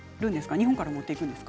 日本から持っていくんですか？